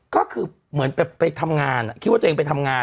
ก็คือเหมือนไปทำงานคิดว่าตัวเองไปทำงาน